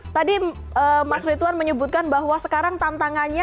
tadi mas rituan menyebutkan bahwa sekarang tantangannya